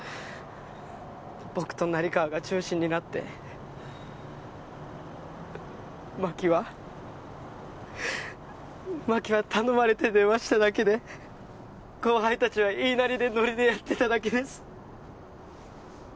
僕と成川が中心になって真木は真木は頼まれて電話しただけで後輩達は言いなりでノリでやってただけです